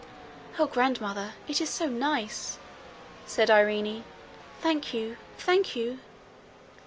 'Oh, grandmother! it is so nice!' said Irene. 'Thank you; thank you.'